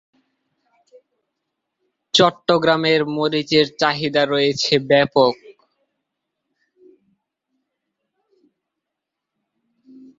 চট্টগ্রামের মরিচের চাহিদা রয়েছে ব্যাপক।